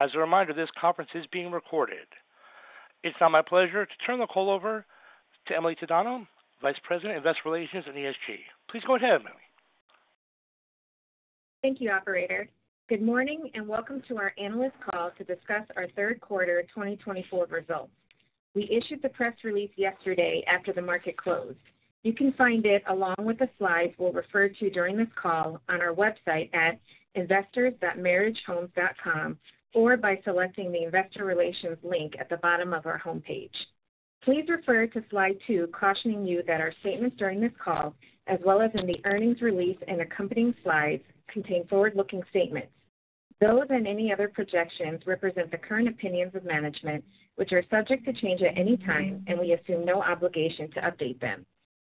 As a reminder, this conference is being recorded. It's now my pleasure to turn the call over to Emily Tadano, Vice President, Investor Relations and ESG. Please go ahead, Emily. Thank you, Operator. Good morning and welcome to our analyst call to discuss our third quarter 2024 results. We issued the press release yesterday after the market closed. You can find it, along with the slides we'll refer to during this call, on our website at investors.meritagehomes.com or by selecting the Investor Relations link at the bottom of our homepage. Please refer to slide two, cautioning you that our statements during this call, as well as in the earnings release and accompanying slides, contain forward-looking statements. Those and any other projections represent the current opinions of management, which are subject to change at any time, and we assume no obligation to update them.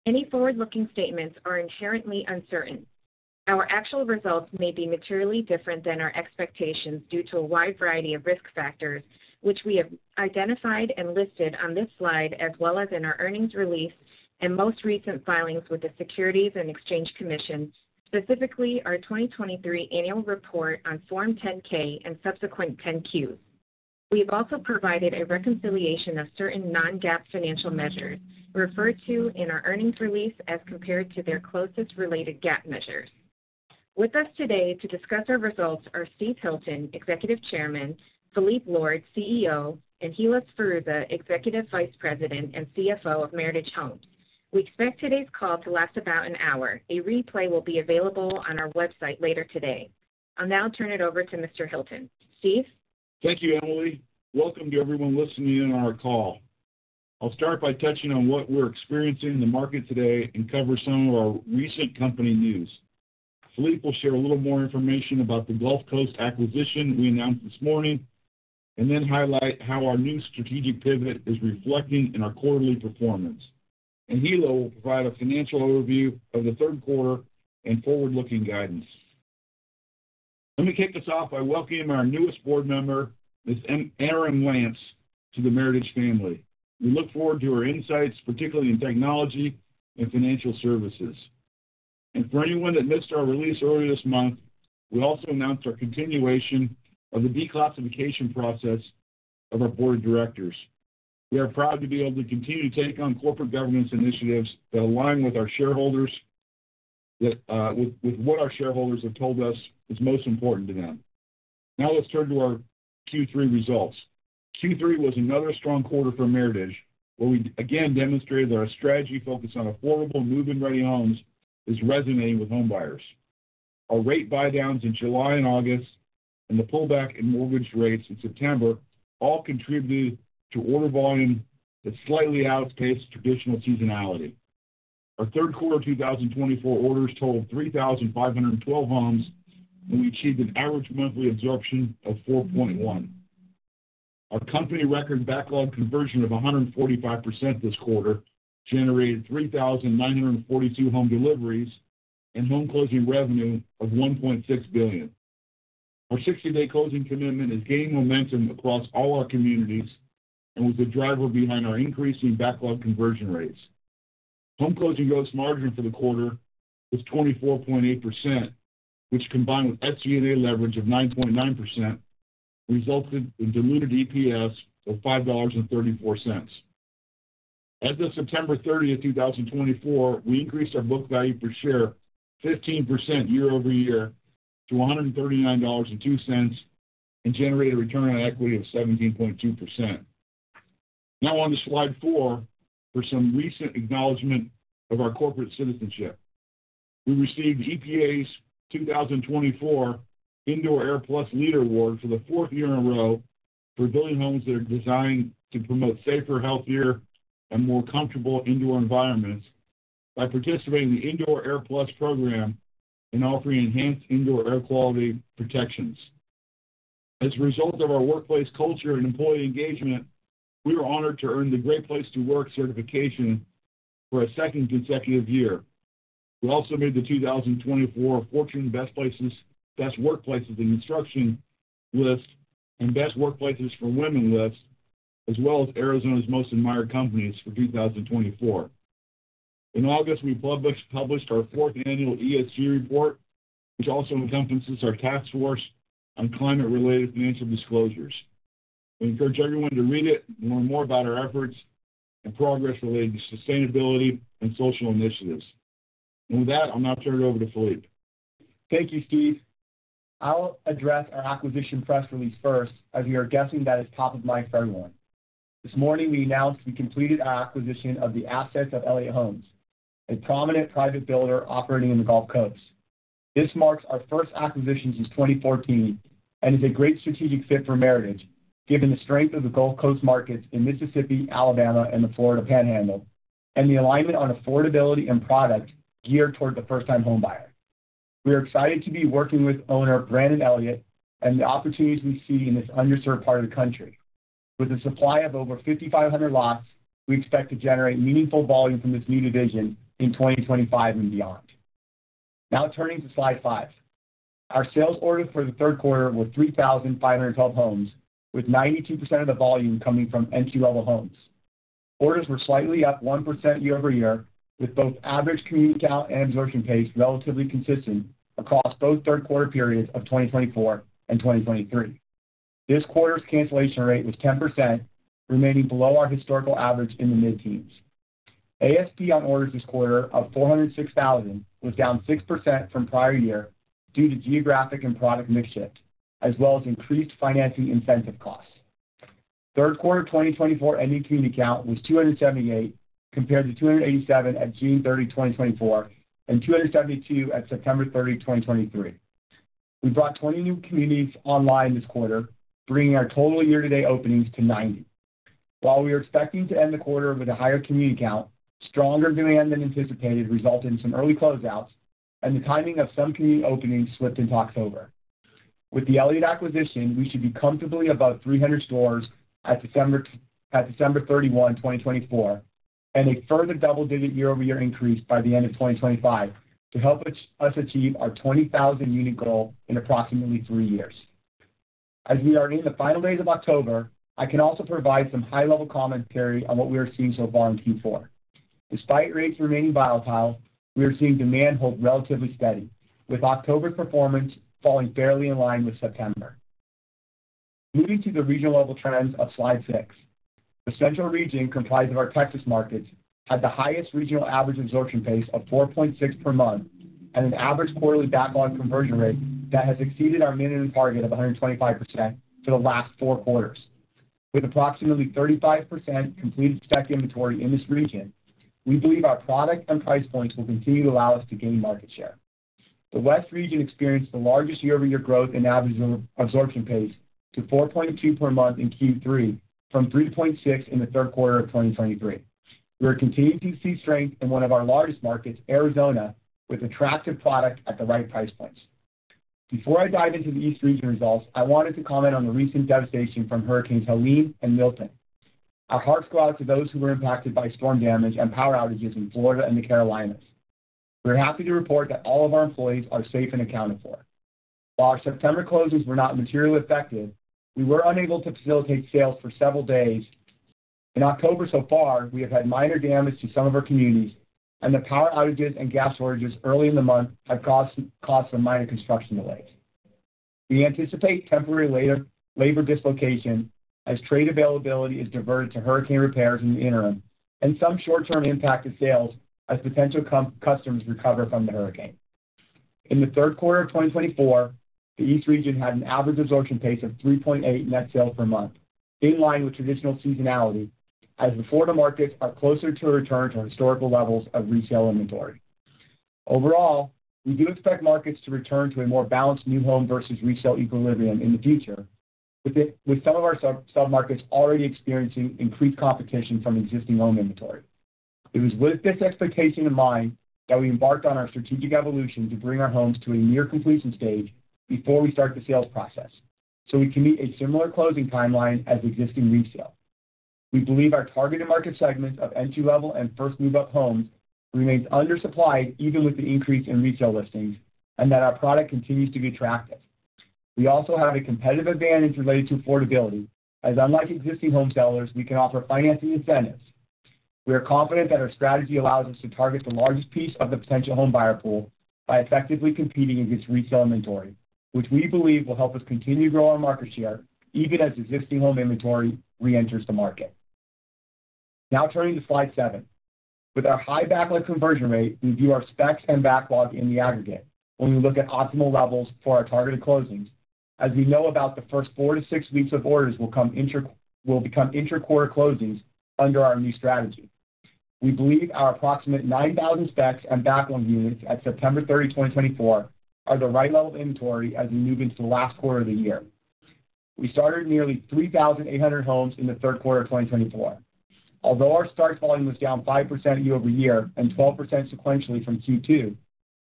Any forward-looking statements are inherently uncertain. Our actual results may be materially different than our expectations due to a wide variety of risk factors, which we have identified and listed on this slide, as well as in our earnings release and most recent filings with the Securities and Exchange Commission, specifically our 2023 annual report on Form 10-K and subsequent 10-Qs. We have also provided a reconciliation of certain non-GAAP financial measures referred to in our earnings release as compared to their closest related GAAP measures. With us today to discuss our results are Steve Hilton, Executive Chairman, Phillippe Lord, CEO, and Hilla Sferruzza, Executive Vice President and CFO of Meritage Homes. We expect today's call to last about an hour. A replay will be available on our website later today. I'll now turn it over to Mr. Hilton. Steve? Thank you, Emily. Welcome to everyone listening in on our call. I'll start by touching on what we're experiencing in the market today and cover some of our recent company news. Phillippe will share a little more information about the Gulf Coast acquisition we announced this morning and then highlight how our new strategic pivot is reflecting in our quarterly performance. And Hilla will provide a financial overview of the third quarter and forward-looking guidance. Let me kick us off by welcoming our newest board member, Ms. Erin Lantz, to the Meritage family. We look forward to her insights, particularly in technology and financial services. And for anyone that missed our release earlier this month, we also announced our continuation of the declassification process of our board of directors. We are proud to be able to continue to take on corporate governance initiatives that align with our shareholders, with what our shareholders have told us is most important to them. Now let's turn to our Q3 results. Q3 was another strong quarter for Meritage, where we again demonstrated that our strategy focus on affordable, move-in ready homes is resonating with homebuyers. Our rate buy-downs in July and August and the pullback in mortgage rates in September all contributed to order volume that slightly outpaced traditional seasonality. Our third quarter 2024 orders totaled 3,512 homes, and we achieved an average monthly absorption of 4.1. Our company record backlog conversion of 145% this quarter generated 3,942 home deliveries and home closing revenue of $1.6 billion. Our 60-day closing commitment has gained momentum across all our communities and was the driver behind our increasing backlog conversion rates. Home closing gross margin for the quarter was 24.8%, which combined with SG&A leverage of 9.9% resulted in diluted EPS of $5.34. As of September 30, 2024, we increased our book value per share 15% year-over-year to $139.02 and generated a return on equity of 17.2%. Now on to slide four for some recent acknowledgment of our corporate citizenship. We received EPA's 2024 Indoor airPLUS Leader Award for the fourth year in a row for building homes that are designed to promote safer, healthier, and more comfortable indoor environments by participating in the Indoor airPLUS program and offering enhanced indoor air quality protections. As a result of our workplace culture and employee engagement, we were honored to earn the Great Place to Work certification for a second consecutive year. We also made the 2024 Fortune Best Workplaces in Construction list and Best Workplaces for Women list, as well as Arizona's Most Admired Companies for 2024. In August, we published our fourth annual ESG report, which also encompasses our Task Force on Climate-related Financial Disclosures. We encourage everyone to read it and learn more about our efforts and progress related to sustainability and social initiatives. And with that, I'll now turn it over to Phillippe. Thank you, Steve. I'll address our acquisition press release first, as you are guessing that is top of mind for everyone. This morning, we announced we completed our acquisition of the assets of Elliott Homes, a prominent private builder operating in the Gulf Coast. This marks our first acquisition since 2014 and is a great strategic fit for Meritage, given the strength of the Gulf Coast markets in Mississippi, Alabama, and the Florida Panhandle, and the alignment on affordability and product geared toward the first-time homebuyer. We are excited to be working with owner Brandon Elliott and the opportunities we see in this underserved part of the country. With a supply of over 5,500 lots, we expect to generate meaningful volume from this new division in 2025 and beyond. Now turning to slide five, our sales orders for the third quarter were 3,512 homes, with 92% of the volume coming from entry-level homes. Orders were slightly up 1% year-over-year, with both average community count and absorption pace relatively consistent across both third-quarter periods of 2024 and 2023. This quarter's cancellation rate was 10%, remaining below our historical average in the mid-teens. ASP on orders this quarter of $406,000 was down 6% from prior year due to geographic and product mix shift, as well as increased financing incentive costs. Third quarter 2024 ending community count was 278, compared to 287 at June 30, 2024, and 272 at September 30, 2023. We brought 20 new communities online this quarter, bringing our total year-to-date openings to 90. While we are expecting to end the quarter with a higher community count, stronger demand than anticipated resulted in some early closeouts, and the timing of some community openings slipped into October. With the Elliott acquisition, we should be comfortably above 300 communities at December 31, 2024, and a further double-digit year-over-year increase by the end of 2025 to help us achieve our 20,000 unit goal in approximately three years. As we are in the final days of October, I can also provide some high-level commentary on what we are seeing so far in Q4. Despite rates remaining volatile, we are seeing demand hold relatively steady, with October's performance falling fairly in line with September. Moving to the regional level trends of slide six, the central region comprised of our Texas markets had the highest regional average absorption pace of 4.6 per month and an average quarterly backlog conversion rate that has exceeded our minimum target of 125% for the last four quarters. With approximately 35% completed spec inventory in this region, we believe our product and price points will continue to allow us to gain market share. The West region experienced the largest year-over-year growth in average absorption pace to 4.2 per month in Q3 from 3.6 in the third quarter of 2023. We are continuing to see strength in one of our largest markets, Arizona, with attractive product at the right price points. Before I dive into the East region results, I wanted to comment on the recent devastation from Hurricanes Helene and Milton. Our hearts go out to those who were impacted by storm damage and power outages in Florida and the Carolinas. We're happy to report that all of our employees are safe and accounted for. While our September closings were not materially affected, we were unable to facilitate sales for several days. In October so far, we have had minor damage to some of our communities, and the power outages and gas shortages early in the month have caused some minor construction delays. We anticipate temporary labor dislocation as trade availability is diverted to hurricane repairs in the interim and some short-term impacted sales as potential customers recover from the hurricane. In the third quarter of 2024, the East region had an average absorption pace of 3.8 net sales per month, in line with traditional seasonality, as the Florida markets are closer to a return to historical levels of resale inventory. Overall, we do expect markets to return to a more balanced new home versus resale equilibrium in the future, with some of our sub-markets already experiencing increased competition from existing home inventory. It was with this expectation in mind that we embarked on our strategic evolution to bring our homes to a near-completion stage before we start the sales process, so we can meet a similar closing timeline as existing resale. We believe our targeted market segment of entry-level and first move-up homes remains undersupplied even with the increase in resale listings and that our product continues to be attractive. We also have a competitive advantage related to affordability, as unlike existing home sellers, we can offer financing incentives. We are confident that our strategy allows us to target the largest piece of the potential homebuyer pool by effectively competing against resale inventory, which we believe will help us continue to grow our market share even as existing home inventory reenters the market. Now turning to slide seven, with our high backlog conversion rate, we view our specs and backlog in the aggregate when we look at optimal levels for our targeted closings, as we know about the first four to six weeks of orders will become intra-quarter closings under our new strategy. We believe our approximate 9,000 specs and backlog units at September 30, 2024, are the right level of inventory as we move into the last quarter of the year. We started nearly 3,800 homes in the third quarter of 2024. Although our starts volume was down 5% year-over-year and 12% sequentially from Q2,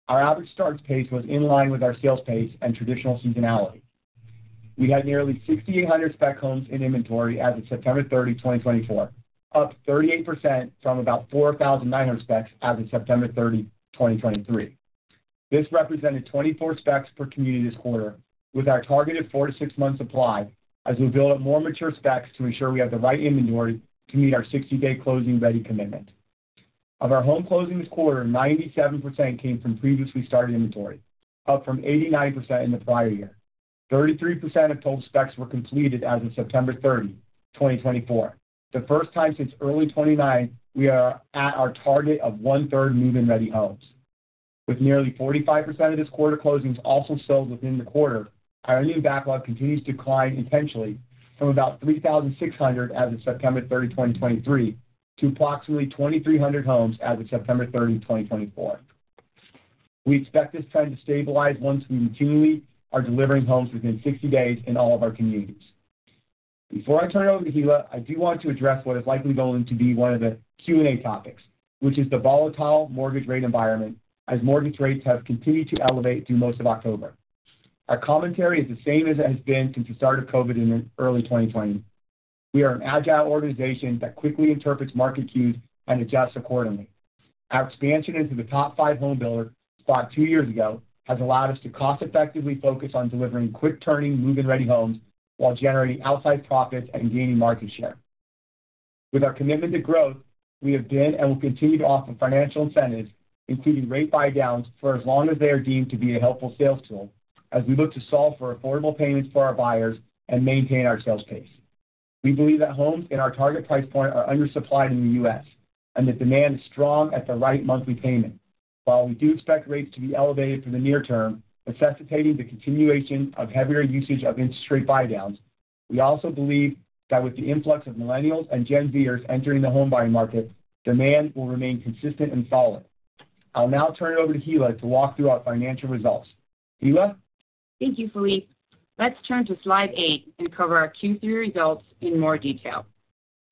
our average starts pace was in line with our sales pace and traditional seasonality. We had nearly 6,800 spec homes in inventory as of September 30, 2024, up 38% from about 4,900 specs as of September 30, 2023. This represented 24 specs per community this quarter, with our targeted four to six-month supply as we build up more mature specs to ensure we have the right inventory to meet our 60-day closing ready commitment. Of our home closings this quarter, 97% came from previously started inventory, up from 89% in the prior year. 33% of total specs were completed as of September 30, 2024. The first time since early 1929, we are at our target of one-third move-in ready homes. With nearly 45% of this quarter closings also sold within the quarter, our ending backlog continues to decline intentionally from about 3,600 as of September 30, 2023, to approximately 2,300 homes as of September 30, 2024. We expect this trend to stabilize once we continually are delivering homes within 60 days in all of our communities. Before I turn it over to Hilla, I do want to address what is likely going to be one of the Q&A topics, which is the volatile mortgage rate environment as mortgage rates have continued to elevate through most of October. Our commentary is the same as it has been since the start of COVID in early 2020. We are an agile organization that quickly interprets market cues and adjusts accordingly. Our expansion into the top five home builders spot two years ago has allowed us to cost-effectively focus on delivering quick-turning move-in ready homes while generating outside profits and gaining market share. With our commitment to growth, we have been and will continue to offer financial incentives, including rate buy-downs, for as long as they are deemed to be a helpful sales tool, as we look to solve for affordable payments for our buyers and maintain our sales pace. We believe that homes in our target price point are undersupplied in the U.S. and the demand is strong at the right monthly payment. While we do expect rates to be elevated for the near term, necessitating the continuation of heavier usage of interest rate buy-downs, we also believe that with the influx of millennials and Gen Zers entering the homebuying market, demand will remain consistent and solid. I'll now turn it over to Hilla to walk through our financial results. Hilla. Thank you, Phillippe. Let's turn to slide eight and cover our Q3 results in more detail.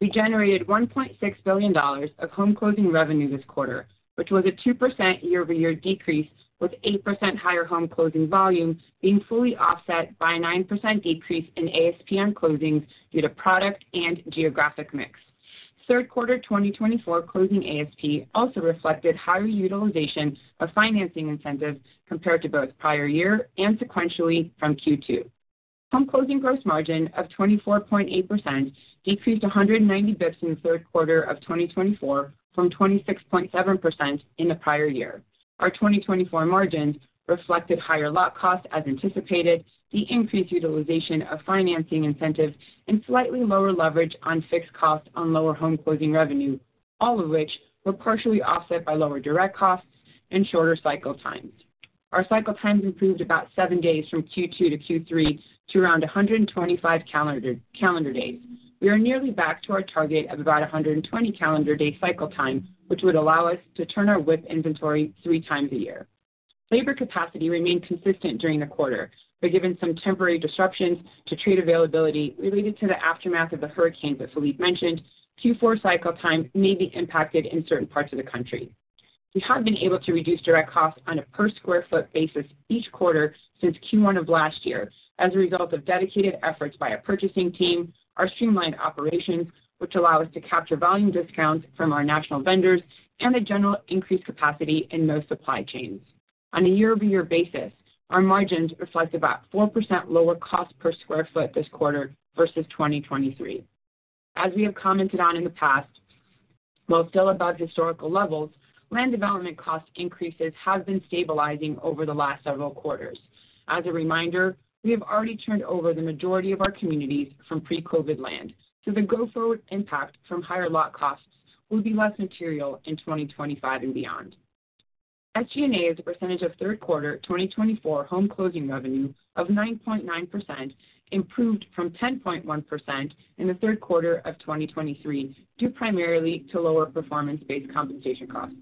We generated $1.6 billion of home closing revenue this quarter, which was a 2% year-over-year decrease, with 8% higher home closing volume being fully offset by a 9% decrease in ASP on closings due to product and geographic mix. Third quarter 2024 closing ASP also reflected higher utilization of financing incentives compared to both prior year and sequentially from Q2. Home closing gross margin of 24.8% decreased 190 basis points in the third quarter of 2024 from 26.7% in the prior year. Our 2024 margins reflected higher lot costs as anticipated, the increased utilization of financing incentives, and slightly lower leverage on fixed costs on lower home closing revenue, all of which were partially offset by lower direct costs and shorter cycle times. Our cycle times improved about seven days from Q2 to Q3 to around 125 calendar days. We are nearly back to our target of about 120 calendar day cycle time, which would allow us to turn our WIP inventory three times a year. Labor capacity remained consistent during the quarter, but given some temporary disruptions to trade availability related to the aftermath of the hurricanes that Phillippe mentioned, Q4 cycle time may be impacted in certain parts of the country. We have been able to reduce direct costs on a per sq ft basis each quarter since Q1 of last year as a result of dedicated efforts by our purchasing team, our streamlined operations, which allow us to capture volume discounts from our national vendors, and the general increased capacity in most supply chains. On a year-over-year basis, our margins reflect about 4% lower cost per sq ft this quarter versus 2023. As we have commented on in the past, while still above historical levels, land development cost increases have been stabilizing over the last several quarters. As a reminder, we have already turned over the majority of our communities from pre-COVID land, so the go-forward impact from higher lot costs will be less material in 2025 and beyond. SG&A as a percentage of third quarter 2024 home closing revenue of 9.9% improved from 10.1% in the third quarter of 2023 due primarily to lower performance-based compensation costs.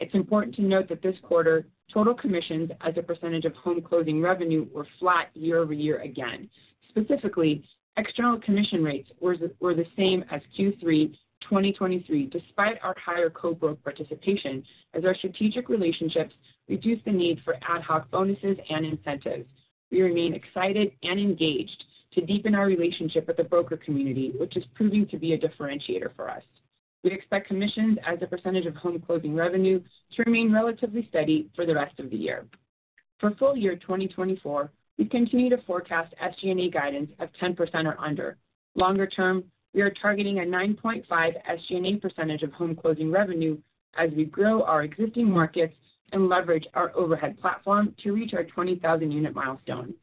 It's important to note that this quarter, total commissions as a percentage of home closing revenue were flat year-over-year again. Specifically, external commission rates were the same as Q3 2023, despite our higher co-broker participation, as our strategic relationships reduced the need for ad hoc bonuses and incentives. We remain excited and engaged to deepen our relationship with the broker community, which is proving to be a differentiator for us. We expect commissions as a percentage of home closing revenue to remain relatively steady for the rest of the year. For full year 2024, we continue to forecast SG&A guidance of 10% or under. Longer term, we are targeting a 9.5% SG&A percentage of home closing revenue as we grow our existing markets and leverage our overhead platform to reach our 20,000 unit milestone.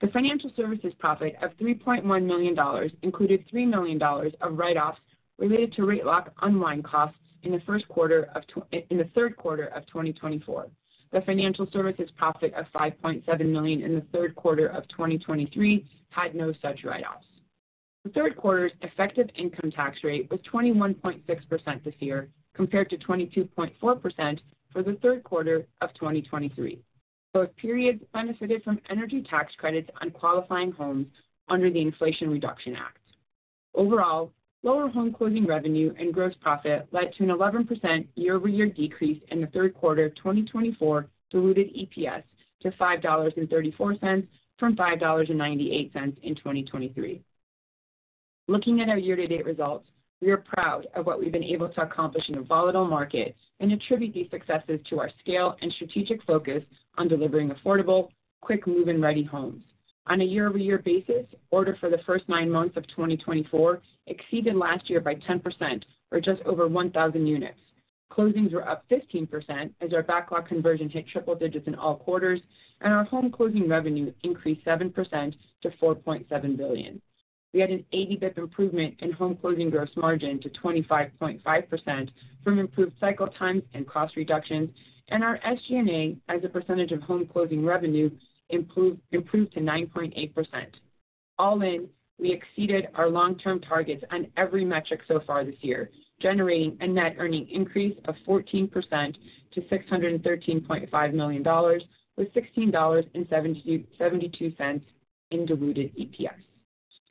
The financial services profit of $3.1 million included $3 million of write-offs related to rate lock unwind costs in the third quarter of 2024. The financial services profit of $5.7 million in the third quarter of 2023 had no such write-offs. The third quarter's effective income tax rate was 21.6% this year compared to 22.4% for the third quarter of 2023. Both periods benefited from energy tax credits on qualifying homes under the Inflation Reduction Act. Overall, lower home closing revenue and gross profit led to an 11% year-over-year decrease in the third quarter of 2024 diluted EPS to $5.34 from $5.98 in 2023. Looking at our year-to-date results, we are proud of what we've been able to accomplish in a volatile market and attribute these successes to our scale and strategic focus on delivering affordable, quick move-in ready homes. On a year-over-year basis, orders for the first nine months of 2024 exceeded last year by 10%, or just over 1,000 units. Closings were up 15% as our backlog conversion hit triple digits in all quarters, and our home closing revenue increased 7% to $4.7 billion. We had an 80 basis points improvement in home closing gross margin to 25.5% from improved cycle times and cost reductions, and our SG&A as a percentage of home closing revenue improved to 9.8%. All in, we exceeded our long-term targets on every metric so far this year, generating a net earnings increase of 14% to $613.5 million, with $16.72 in diluted EPS.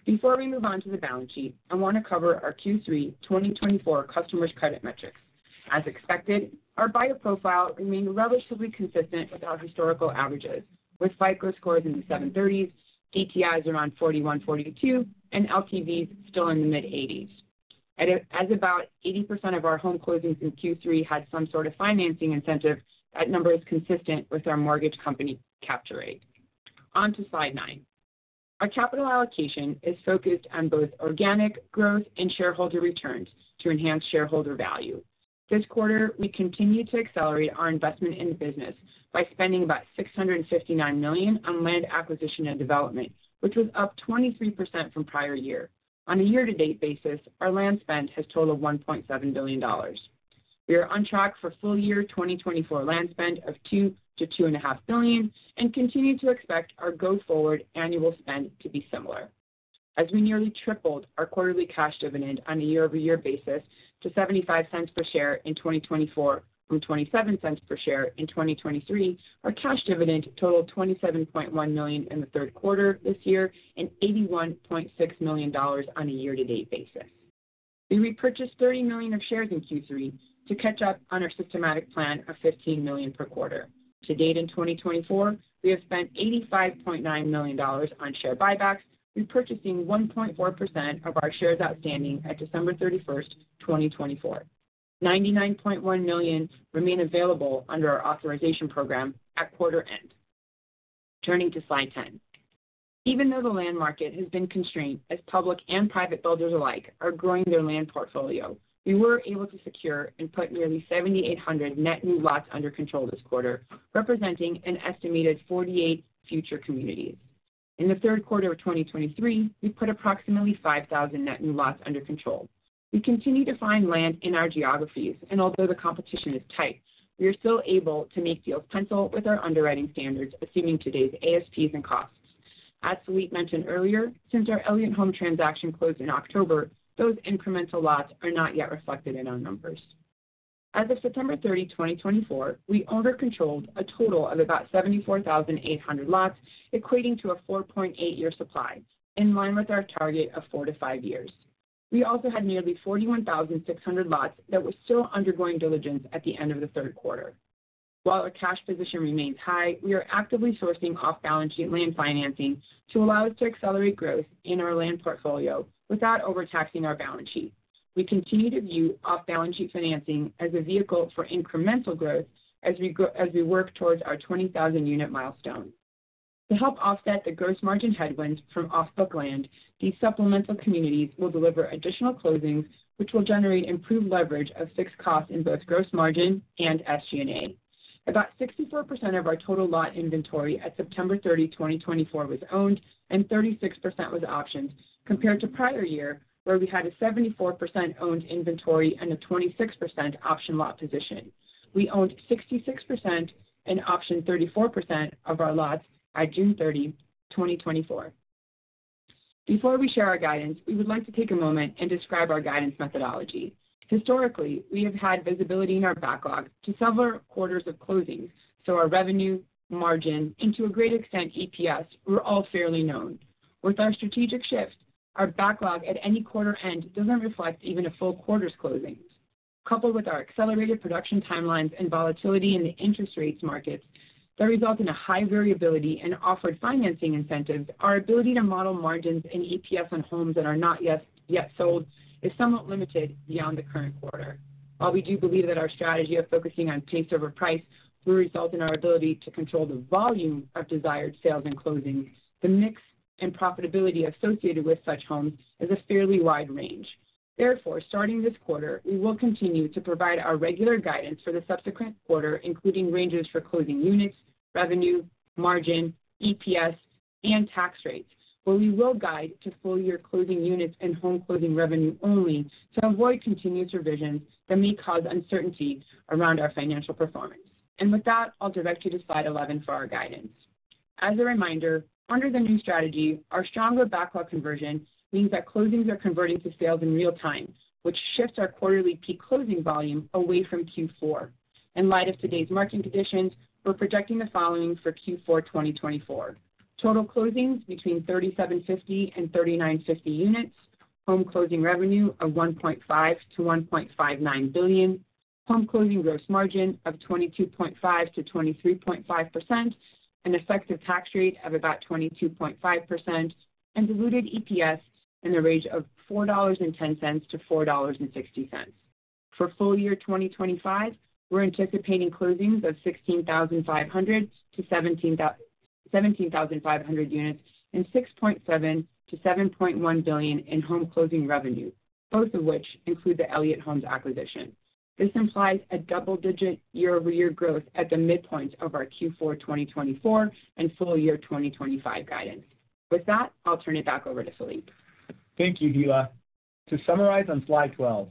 Before we move on to the balance sheet, I want to cover our Q3 2024 customers' credit metrics. As expected, our buyer profile remained relatively consistent with our historical averages, with FICO scores in the 730s, DTIs around 41-42, and LTVs still in the mid-80s. As about 80% of our home closings in Q3 had some sort of financing incentive, that number is consistent with our mortgage company capture rate. On to slide nine. Our capital allocation is focused on both organic growth and shareholder returns to enhance shareholder value. This quarter, we continue to accelerate our investment in the business by spending about $659 million on land acquisition and development, which was up 23% from prior year. On a year-to-date basis, our land spend has totaled $1.7 billion. We are on track for full year 2024 land spend of $2 billion-$2.5 billion and continue to expect our go-forward annual spend to be similar. As we nearly tripled our quarterly cash dividend on a year-over-year basis to $0.75 per share in 2024 from $0.27 per share in 2023, our cash dividend totaled $27.1 million in the third quarter this year and $81.6 million on a year-to-date basis. We repurchased $30 million of shares in Q3 to catch up on our systematic plan of $15 million per quarter. To date in 2024, we have spent $85.9 million on share buybacks, repurchasing 1.4% of our shares outstanding at December 31st, 2024. $99.1 million remained available under our authorization program at quarter end. Turning to slide 10. Even though the land market has been constrained as public and private builders alike are growing their land portfolio, we were able to secure and put nearly 7,800 net new lots under control this quarter, representing an estimated 48 future communities. In the third quarter of 2023, we put approximately 5,000 net new lots under control. We continue to find land in our geographies, and although the competition is tight, we are still able to make deals pencil with our underwriting standards, assuming today's ASPs and costs. As Phillippe mentioned earlier, since our Elliott Homes transaction closed in October, those incremental lots are not yet reflected in our numbers. As of September 30, 2024, we owner-controlled a total of about 74,800 lots, equating to a 4.8-year supply, in line with our target of four to five years. We also had nearly 41,600 lots that were still undergoing diligence at the end of the third quarter. While our cash position remains high, we are actively sourcing off-balance sheet land financing to allow us to accelerate growth in our land portfolio without overtaxing our balance sheet. We continue to view off-balance sheet financing as a vehicle for incremental growth as we work towards our 20,000 unit milestone. To help offset the gross margin headwinds from off-book land, these supplemental communities will deliver additional closings, which will generate improved leverage of fixed costs in both gross margin and SG&A. About 64% of our total lot inventory at September 30, 2024, was owned, and 36% was options, compared to prior year, where we had a 74% owned inventory and a 26% option lot position. We owned 66% and optioned 34% of our lots by June 30, 2024. Before we share our guidance, we would like to take a moment and describe our guidance methodology. Historically, we have had visibility in our backlog to several quarters of closings, so our revenue, margin, and to a great extent EPS were all fairly known. With our strategic shift, our backlog at any quarter end doesn't reflect even a full quarter's closings. Coupled with our accelerated production timelines and volatility in the interest rates markets that result in a high variability in offered financing incentives, our ability to model margins and EPS on homes that are not yet sold is somewhat limited beyond the current quarter. While we do believe that our strategy of focusing on pace over price will result in our ability to control the volume of desired sales and closings, the mix and profitability associated with such homes is a fairly wide range. Therefore, starting this quarter, we will continue to provide our regular guidance for the subsequent quarter, including ranges for closing units, revenue, margin, EPS, and tax rates, where we will guide to full year closing units and home closing revenue only to avoid continuous revisions that may cause uncertainty around our financial performance. And with that, I'll direct you to slide 11 for our guidance. As a reminder, under the new strategy, our stronger backlog conversion means that closings are converting to sales in real time, which shifts our quarterly peak closing volume away from Q4. In light of today's market conditions, we're projecting the following for Q4 2024: total closings between 3,750 and 3,950 units, home closing revenue of $1.5-$1.59 billion, home closing gross margin of 22.5%-23.5%, an effective tax rate of about 22.5%, and diluted EPS in the range of $4.10-$4.60. For full year 2025, we're anticipating closings of 16,500 to 17,500 units and $6.7 billion-$7.1 billion in home closing revenue, both of which include the Elliott Homes acquisition. This implies a double-digit year-over-year growth at the midpoint of our Q4 2024 and full year 2025 guidance. With that, I'll turn it back over to Phillippe. Thank you, Hilla. To summarize on slide 12,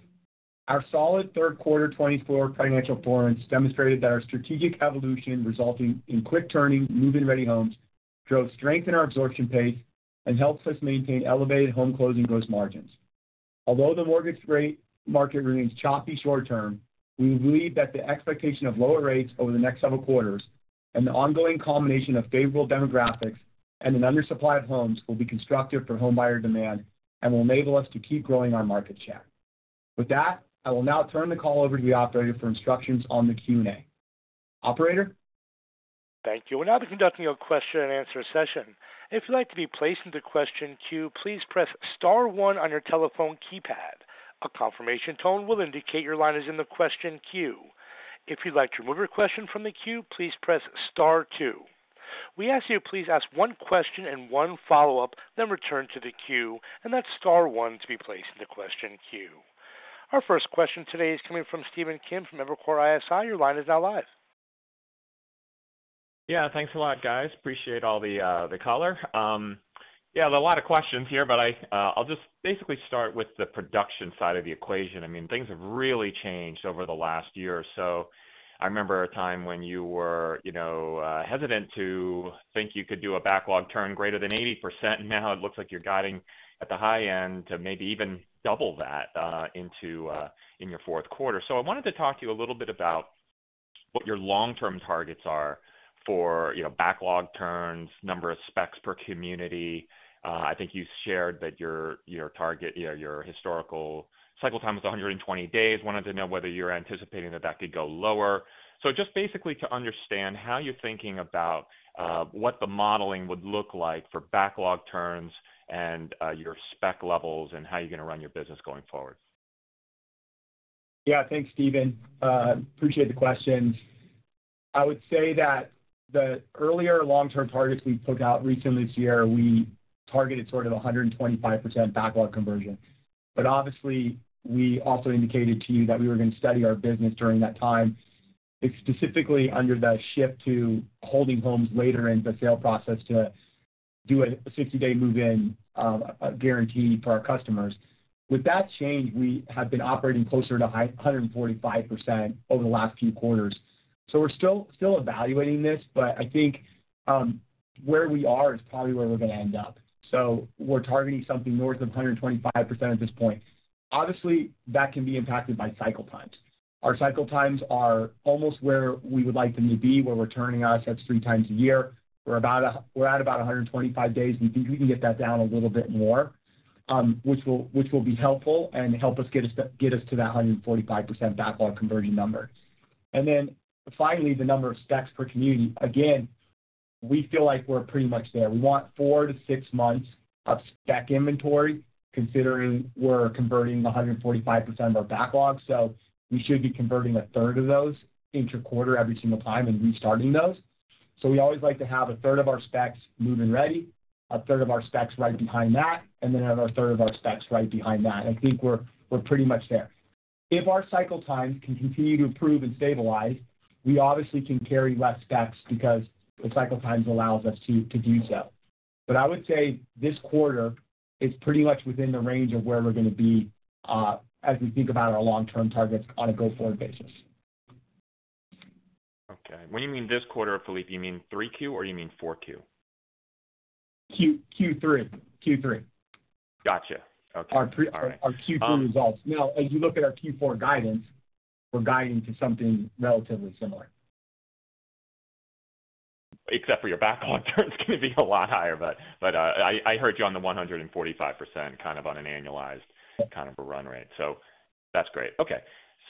our solid third quarter 2024 financial performance demonstrated that our strategic evolution resulting in quick-turning, move-in ready homes drove strength in our absorption pace and helps us maintain elevated home closing gross margins. Although the mortgage rate market remains choppy short-term, we believe that the expectation of lower rates over the next several quarters and the ongoing combination of favorable demographics and an undersupply of homes will be constructive for home buyer demand and will enable us to keep growing our market share. With that, I will now turn the call over to the operator for instructions on the Q&A. Operator? Thank you. We're now conducting a question and answer session. If you'd like to be placed in the question queue, please press Star 1 on your telephone keypad. A confirmation tone will indicate your line is in the question queue. If you'd like to remove your question from the queue, please press Star 2. We ask that you please ask one question and one follow-up, then return to the queue, and that's Star 1 to be placed in the question queue. Our first question today is coming from Stephen Kim from Evercore ISI. Your line is now live. Yeah, thanks a lot, guys. Appreciate all the color. Yeah, there are a lot of questions here, but I, I'll just basically start with the production side of the equation. I mean, things have really changed over the last year or so. I remember a time when you were, you know, hesitant to think you could do a backlog turn greater than 80%, and now it looks like you're guiding at the high end to maybe even double that, into, in your fourth quarter. So I wanted to talk to you a little bit about what your long-term targets are for, you know, backlog turns, number of specs per community. I think you shared that your, your target, you know, your historical cycle time was 120 days. Wanted to know whether you're anticipating that that could go lower. So just basically to understand how you're thinking about, what the modeling would look like for backlog turns and, your spec levels and how you're going to run your business going forward. Yeah, thanks, Stephen. Appreciate the questions. I would say that the earlier long-term targets we put out recently this year, we targeted sort of 125% backlog conversion. But obviously, we also indicated to you that we were going to study our business during that time, specifically under the shift to holding homes later in the sale process to do a 60-day move-in guarantee for our customers. With that change, we have been operating closer to 145% over the last few quarters. So we're still evaluating this, but I think where we are is probably where we're going to end up. So we're targeting something north of 125% at this point. Obviously, that can be impacted by cycle times. Our cycle times are almost where we would like them to be, where we're turning our assets three times a year. We're at about 125 days. We think we can get that down a little bit more, which will be helpful and help us get to that 145% backlog conversion number. And then finally, the number of specs per community. Again, we feel like we're pretty much there. We want four to six months of spec inventory, considering we're converting 145% of our backlog. So we should be converting a third of those per quarter every single time and restarting those. So we always like to have a third of our specs move-in ready, a third of our specs right behind that, and then another third of our specs right behind that. I think we're pretty much there. If our cycle times can continue to improve and stabilize, we obviously can carry less specs because the cycle times allows us to do so. But I would say this quarter is pretty much within the range of where we're going to be, as we think about our long-term targets on a go-forward basis. Okay. When you mean this quarter, Phillippe, you mean three Q or you mean four Q? Q3. Gotcha. Okay. Our Q3 results. Now, as you look at our Q4 guidance, we're guiding to something relatively similar. Except for your backlog turns going to be a lot higher, but I heard you on the 145% kind of on an annualized kind of a run rate. So that's great. Okay.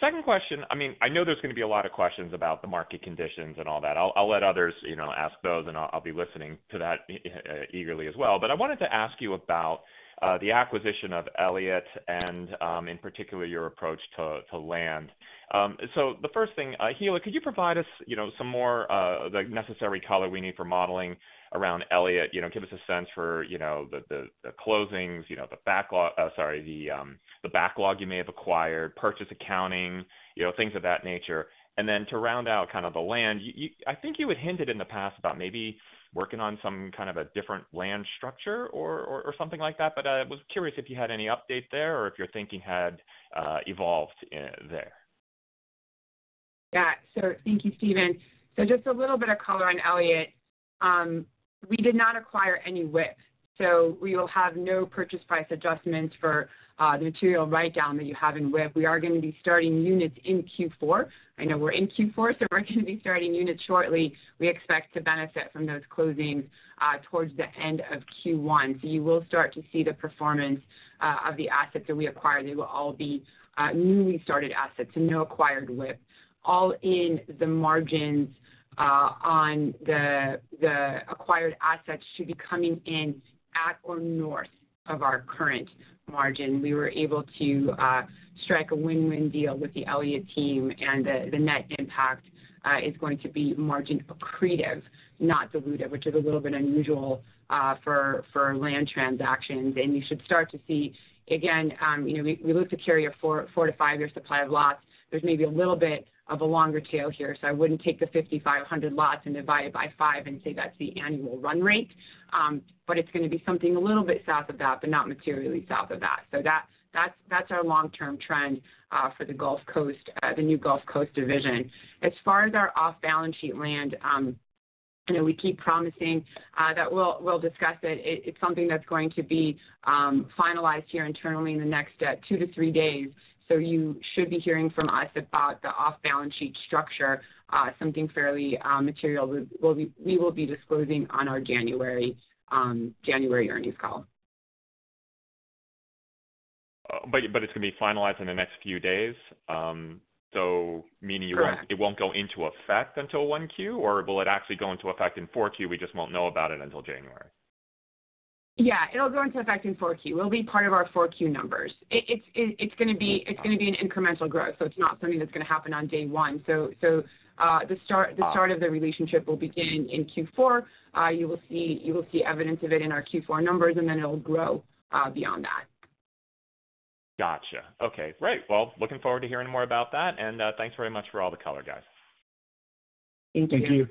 Second question. I mean, I know there's going to be a lot of questions about the market conditions and all that. I'll let others, you know, ask those, and I'll be listening to that eagerly as well. But I wanted to ask you about the acquisition of Elliott and, in particular, your approach to land. So the first thing, Hilla, could you provide us, you know, some more, the necessary color we need for modeling around Elliott, you know, give us a sense for, you know, the closings, you know, the backlog, sorry, the backlog you may have acquired, purchase accounting, you know, things of that nature. And then to round out kind of the land, you, you, I think you had hinted in the past about maybe working on some kind of a different land structure or, or, or something like that, but I was curious if you had any update there or if your thinking had evolved there. Yeah. So thank you, Stephen. So just a little bit of color on Elliott. We did not acquire any WIP. So we will have no purchase price adjustments for the material write-down that you have in WIP. We are going to be starting units in Q4. I know we're in Q4, so we're going to be starting units shortly. We expect to benefit from those closings towards the end of Q1, so you will start to see the performance of the assets that we acquired. They will all be newly started assets and no acquired WIP. All-in margins on the acquired assets should be coming in at or north of our current margin. We were able to strike a win-win deal with the Elliott team, and the net impact is going to be margin accretive, not diluted, which is a little bit unusual for land transactions. And you should start to see, again, you know, we, we look to carry a four- to five-year supply of lots. There's maybe a little bit of a longer tail here, so I wouldn't take the 5,500 lots and divide it by five and say that's the annual run rate. But it's going to be something a little bit south of that, but not materially south of that. So that's our long-term trend for the Gulf Coast, the new Gulf Coast division. As far as our off-balance sheet land, you know, we keep promising that we'll discuss it. It's something that's going to be finalized here internally in the next two to three days. So you should be hearing from us about the off-balance sheet structure, something fairly material we will be disclosing on our January earnings call. But it's going to be finalized in the next few days, so meaning it won't go into effect until 1Q, or will it actually go into effect in 4Q? We just won't know about it until January. Yeah, it'll go into effect in 4Q. It'll be part of our 4Q numbers. It's going to be an incremental growth, so it's not something that's going to happen on day one. So, the start of the relationship will begin in Q4. You will see evidence of it in our Q4 numbers, and then it'll grow beyond that. Gotcha. Okay. Great. Well, looking forward to hearing more about that and thanks very much for all the color, guys. Thank you. Thank you.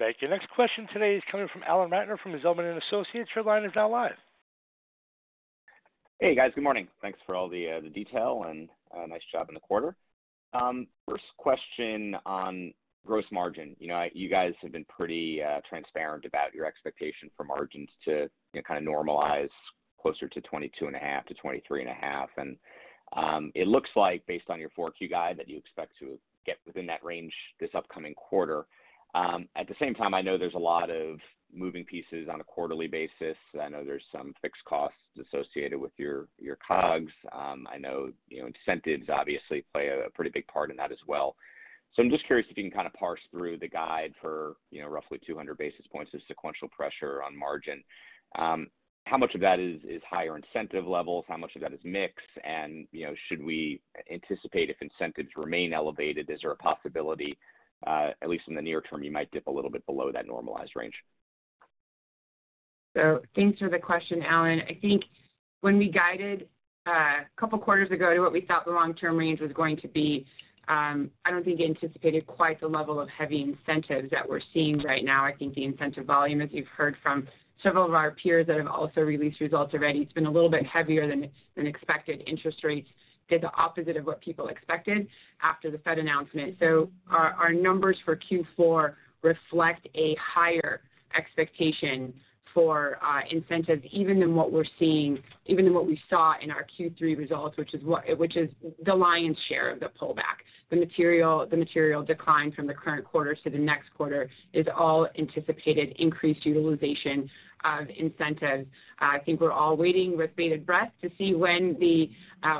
Thank you. Next question today is coming from Alan Ratner from Zelman & Associates. Line is now live. Hey, guys. Good morning. Thanks for all the detail and, nice job in the quarter. First question on gross margin. You know, you guys have been pretty transparent about your expectation for margins to, you know, kind of normalize closer to 22.5%-23.5%. And it looks like, based on your 4Q guide, that you expect to get within that range this upcoming quarter. At the same time, I know there's a lot of moving pieces on a quarterly basis. I know there's some fixed costs associated with your COGS. I know, you know, incentives obviously play a pretty big part in that as well. So I'm just curious if you can kind of parse through the guide for, you know, roughly 200 basis points of sequential pressure on margin. How much of that is higher incentive levels? How much of that is mix? And, you know, should we anticipate if incentives remain elevated? Is there a possibility, at least in the near term, you might dip a little bit below that normalized range? So thanks for the question, Alan. I think when we guided, a couple quarters ago to what we thought the long-term range was going to be, I don't think anticipated quite the level of heavy incentives that we're seeing right now. I think the incentive volume, as you've heard from several of our peers that have also released results already, it's been a little bit heavier than expected. Interest rates did the opposite of what people expected after the Fed announcement. So our numbers for Q4 reflect a higher expectation for incentives even than what we're seeing, even than what we saw in our Q3 results, which is the lion's share of the pullback. The material decline from the current quarter to the next quarter is all anticipated increased utilization of incentives. I think we're all waiting with bated breath to see when the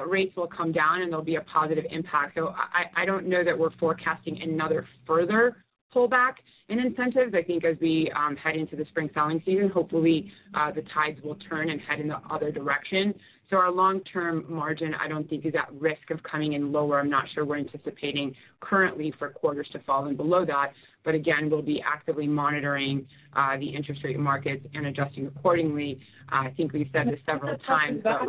rates will come down and there'll be a positive impact. So I don't know that we're forecasting another further pullback in incentives. I think as we head into the spring selling season, hopefully, the tides will turn and head in the other direction. So our long-term margin, I don't think, is at risk of coming in lower. I'm not sure we're anticipating currently for quarters to fall in below that. But again, we'll be actively monitoring the interest rate markets and adjusting accordingly. I think we've said this several times, but